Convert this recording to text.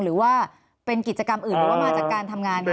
หรือว่าเป็นกิจกรรมอื่นหรือว่ามาจากการทำงานคะ